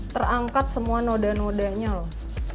terangkat semua noda nodanya loh